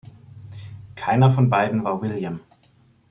Keiner von beiden war William.